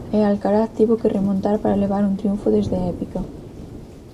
E Alcaraz tivo que remontar para levar un triunfo desde a épica.